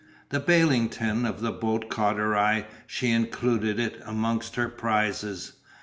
The baling tin of the boat caught her eye, she included it amongst her prizes.